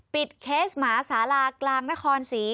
ปิดเคสหมาศาลากลางนครศรี